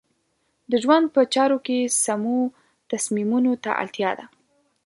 د ژوند په چارو کې سمو تصمیمونو ته اړتیا ده.